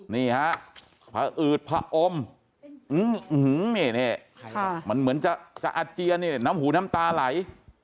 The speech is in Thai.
นี่ฮะผอืดผอมนี่มันเหมือนจะอาเจียนนี่น้ำหูน้ำตาไหล